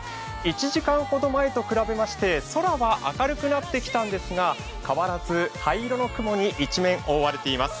１時間ほど前と比べまして、空は明るくなってきたんですが、変わらず灰色の雲に一面覆われています。